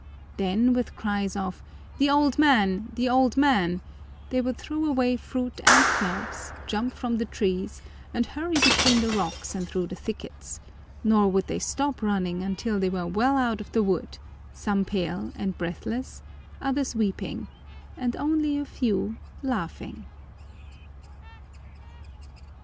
Then with cries of "The old man! The old man!" they would throw away fruit and clubs, jump from the trees, and hurry between the rocks and through the thickets; nor would they stop running until they were well out of the wood, some pale and breathless, others weeping, and only a few laughing.